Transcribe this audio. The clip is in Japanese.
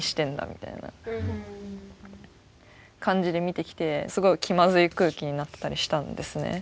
みたいな感じで見てきてすごい気まずい空気になってたりしたんですね。